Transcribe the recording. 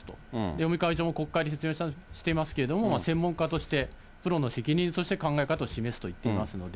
尾身会長も国会で説明していますけれども、専門家として、プロの責任そして考え方を示すと言っていますので。